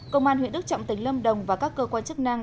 công an huyện đức trọng tỉnh lâm đồng và các cơ quan chức năng